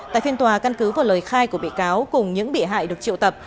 tại phiên tòa căn cứ vào lời khai của bị cáo cùng những bị hại được triệu tập